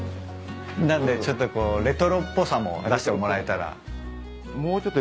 なんでちょっとこうレトロっぽさも出してもらえたら。